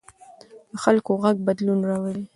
د خلکو غږ بدلون راولي